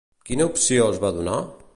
Quina opció els va donar?